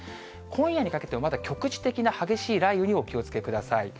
今夜にかけても、まだ局地的な激しい雷雨にお気をつけください。